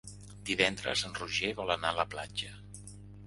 Divendres en Roger vol anar a la platja.